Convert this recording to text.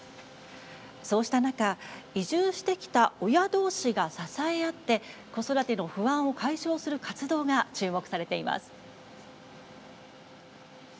そうした中、移住してきた親どうしが支え合って子育ての不安を解消する活動が注目されています。